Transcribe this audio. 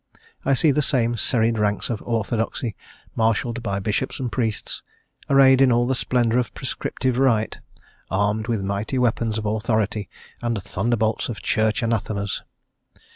I see the same serried ranks of orthodoxy marshalled by bishops and priests, arrayed in all the splendour of prescriptive right, armed with mighty weapons of authority and thunderbolts of Church anathemas.